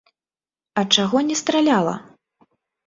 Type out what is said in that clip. А чаго не страляла?